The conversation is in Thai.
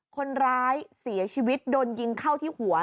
คนร้ายเสียชีวิตโดนยิงเข้าที่หัว